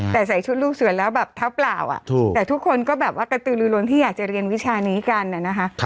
แต่ใส่ชุดลูกเสือแล้วแบบเท้าเปล่าแต่ทุกคนก็แบบว่ากระตือลือล้นที่อยากจะเรียนวิชานี้กันนะคะ